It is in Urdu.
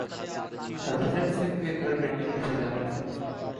ہربھجن سنگھ کے گھر بیٹی کی پیدائش